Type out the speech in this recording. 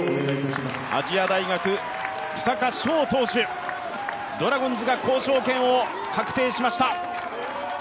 亜細亜大学、草加勝投手、ドラゴンズが交渉権を確定しました。